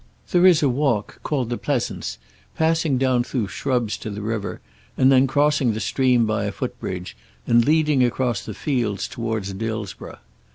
There is a walk called the Pleasance, passing down through shrubs to the river, and then crossing the stream by a foot bridge, and leading across the fields towards Dillsborough.